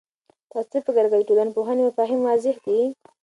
تاسو څه فکر کوئ، د ټولنپوهنې مفاهیم واضح دي؟